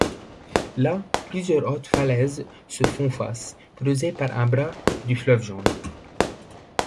Là, plusieurs hautes falaises se font face, creusée par un bras du Fleuve jaune.